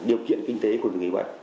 điều kiện kinh tế của người bệnh